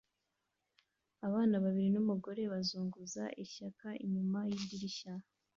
Abana babiri numugore bazunguza ishyaka inyuma yidirishya